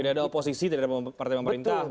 tidak ada oposisi tidak ada partai pemerintah gitu ya